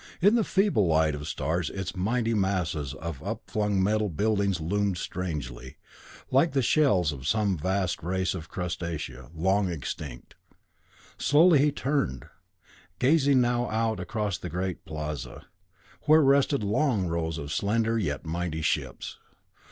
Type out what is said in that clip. In the feeble light of the stars its mighty masses of up flung metal buildings loomed strangely, like the shells of some vast race of crustacea, long extinct. Slowly he turned, gazing now out across the great plaza, where rested long rows of slender, yet mighty ships.